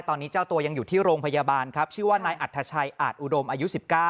ตอนนี้เจ้าตัวยังอยู่ที่โรงพยาบาลครับชื่อว่านายอัธชัยอาจอุดมอายุ๑๙